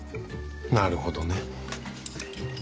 なるほどね。